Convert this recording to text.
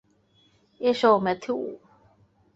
এসো, ম্যাথিউ।